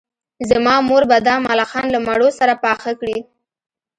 زما مور به دا ملخان له مڼو سره پاخه کړي